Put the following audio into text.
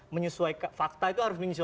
menyesuaikan fakta itu harus